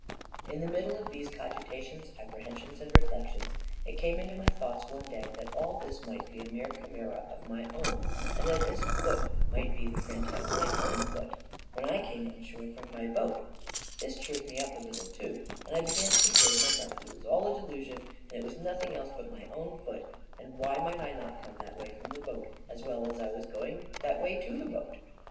In the middle of these cogitations, apprehensions, and reflections, it came into my thoughts one day that all this might, be a mere chimera of my own, and that this foot might be the print of my own foot, when I came on shore from my boat: this cheered me up a little, too, and I began to persuade myself it was all a delusion; that it was nothing else but my own foot; and why might I not come that way from the boat, as well as I was going that way to the boat?